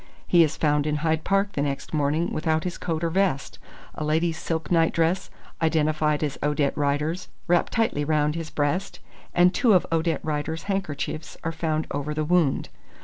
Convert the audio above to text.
He is found in Hyde Park the next morning without his coat or vest, a lady's silk night dress, identified as Odette Rider's, wrapped tightly round his breast, and two of Odette Rider's handkerchiefs are found over the wound.